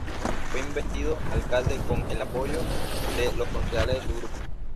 Fue investido alcalde con el apoyo de los concejales de su grupo.